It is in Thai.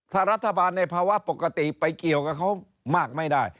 ถ้ารัฐบาลในภาวะปกติไปเกี่ยวกับเขามากไม่ได้